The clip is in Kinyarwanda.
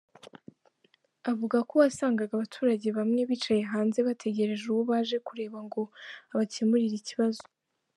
Avuga ko wasangaga abaturage bamwe bicaye hanze bategereje uwo baje kureba ngo abakemurire ikibazo.